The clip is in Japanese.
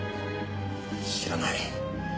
知らない。